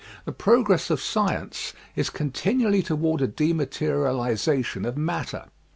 The progress of science is continually toward a de materialization of matter.